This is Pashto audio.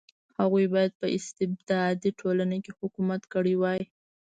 هغوی باید په استبدادي ټولنه کې حکومت کړی وای.